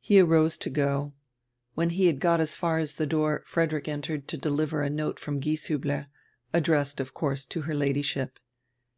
He arose to go. When he had got as far as dre door Frederick entered to deliver a note from Gieshiibler, addressed, of course, to her Ladyship.